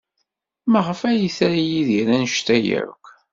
Maɣef ay tra Yidir anect-a akk?